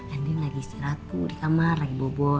andi lagi istirahat tuh di kamar lagi bobo